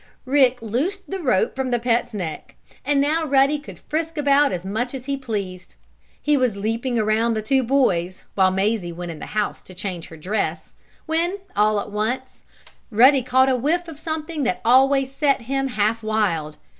Rick loosed the rope from his pet's neck, and now Ruddy could frisk about as much as he pleased. He was leaping around the two boys, while Mazie went in the house to change her dress, when, all at once, Ruddy caught a whiff of something that always set him half wild.